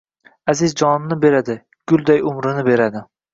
aziz jonini beradi, gulday umrini beradi...